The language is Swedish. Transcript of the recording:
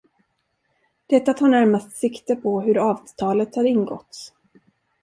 Detta tar närmast sikte på hur avtalet har ingåtts.